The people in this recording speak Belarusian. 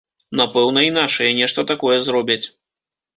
Напэўна, і нашыя нешта такое зробяць.